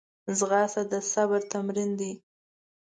ځغاسته د صبر تمرین دی